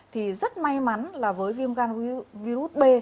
thì rất may mắn là với viêm gan virus b